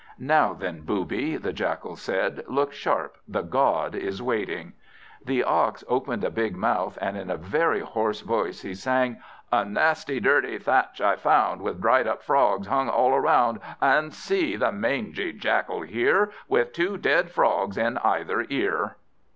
"Now then, booby!" the Jackal said, "look sharp, the God is waiting." The Ox opened a big mouth, and in a very hoarse voice he sang "A nasty dirty thatch I found, With dried up Frogs hung all around; And see! the mangy Jackal here, With two dead Frogs in either ear."